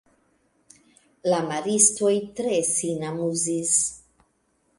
La maristoj tre sin amuzis.